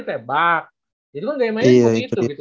tebak itu kan gaya mainnya seperti itu